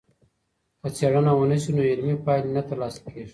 که څېړنه ونسي، نو علمي پايلې نه ترلاسه کيږي.